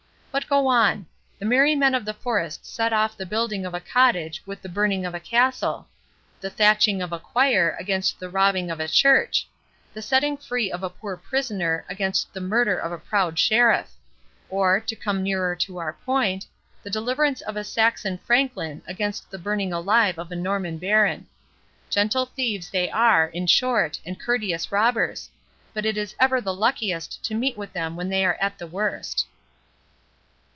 —But to go on. The merry men of the forest set off the building of a cottage with the burning of a castle,—the thatching of a choir against the robbing of a church,—the setting free a poor prisoner against the murder of a proud sheriff; or, to come nearer to our point, the deliverance of a Saxon franklin against the burning alive of a Norman baron. Gentle thieves they are, in short, and courteous robbers; but it is ever the luckiest to meet with them when they are at the worst."